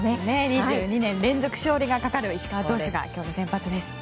２２年連続勝利がかかる石川投手が今日の先発です。